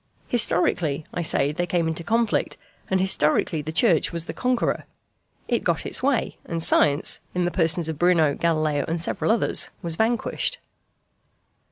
Historically, I say, they came into conflict, and historically the Church was the conqueror. It got its way; and science, in the persons of Bruno, Galileo, and several others, was vanquished.